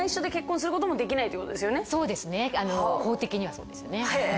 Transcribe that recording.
そうですね法的にはそうですよね。